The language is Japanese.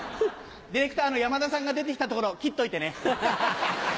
ディレクター山田さんが出て来たところ切っといてね。